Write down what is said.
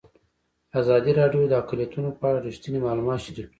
ازادي راډیو د اقلیتونه په اړه رښتیني معلومات شریک کړي.